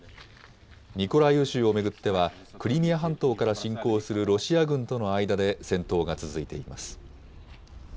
ミコライウ州を巡ってはクリミア半島から侵攻するロシア軍との間で戦闘が続いています。